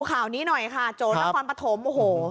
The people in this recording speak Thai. ข่าวนี้หน่อยค่ะโจทย์นครปฐมโอ้โห